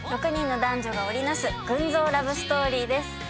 ６人の男女が織り成す群像ラブストーリーです。